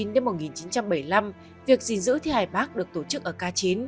năm một nghìn chín trăm bảy mươi năm việc gìn giữ thi hài bắc được tổ chức ở k chín